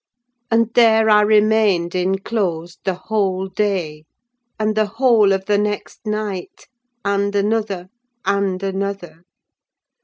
And there I remained enclosed the whole day, and the whole of the next night; and another, and another.